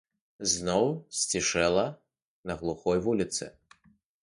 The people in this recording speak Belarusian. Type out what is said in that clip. Зноў сцішэла на глухой вуліцы.